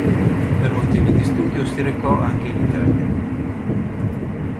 Per motivi di studio si recò anche in Italia.